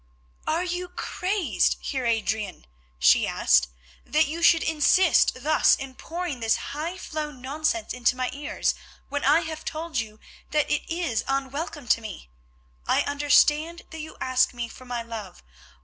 "Are you crazed, Heer Adrian," she asked, "that you should insist thus in pouring this high flown nonsense into my ears when I have told you that it is unwelcome to me? I understand that you ask me for my love.